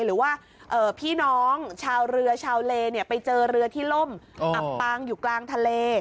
หรือว่าพี่น้องชาวเรือชาวเลไปเจอเรือที่ล่มอับปางอยู่กลางทะเล